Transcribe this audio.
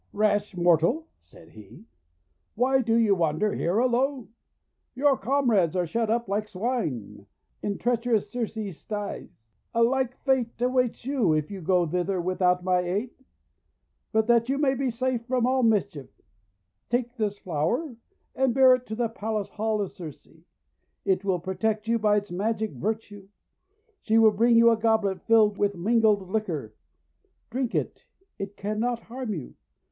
"Rash mortal!'1 said he. "Why do you wander here alone? Your comrades are shut up like Swine hi treach erous Circe's sties. A like fate awaits you, if you go thither without my aid. But that you may be safe from all mischief, take this flower, and bear it to the palace hall of Circe. It will protect you by its magic virtue. She will bring you a goblet filled with mingled liquor. Drink it; it cannot harm you.